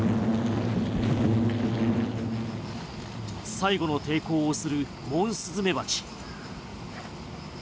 最後の抵抗をするモンスズメバチ。